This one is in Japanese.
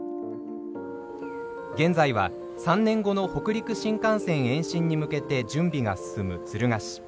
現在は、３年後の北陸新幹線延伸に向けて準備が進む敦賀市。